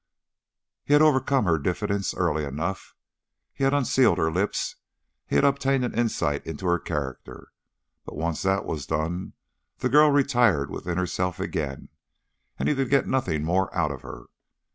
He had overcome her diffidence early enough; he had unsealed her lips; he had obtained an insight into her character; but once that was done, the girl retired within herself again and he could get nothing more out of her.